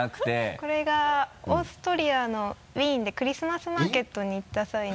これがオーストリアのウィーンでクリスマスマーケットに行った際の。